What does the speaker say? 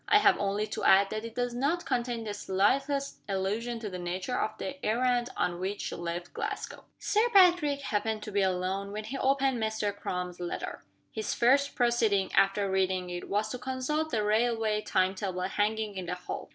I have only to add, that it does not contain the slightest allusion to the nature of the errand on which she left Glasgow." Sir Patrick happened to be alone when he opened Mr. Crum's letter. His first proceeding, after reading it, was to consult the railway time table hanging in the hall.